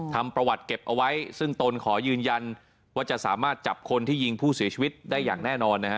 ทำประวัติเก็บเอาไว้ซึ่งตนขอยืนยันว่าจะสามารถจับคนที่ยิงผู้เสียชีวิตได้อย่างแน่นอนนะฮะ